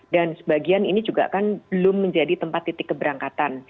dan sebagian ini juga kan belum menjadi tempat titik keberangkatan